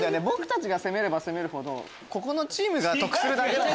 僕たちが攻めるほどここのチームが得するだけ。